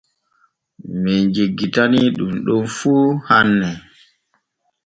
Men jeggitanii ɗun ɗon fu hanne.